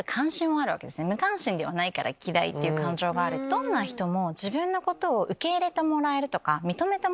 どんな人も。